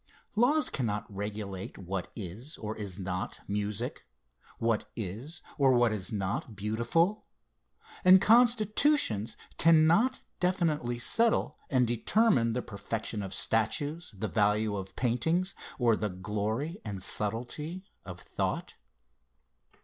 Laws cannot regulate what is or is not music, what is or what is not beautiful and constitutions cannot definitely settle and determine the perfection of statues, the value of paintings, or the glory and subtlety of thought.